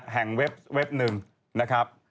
แห่งเว็บนึงนะครับ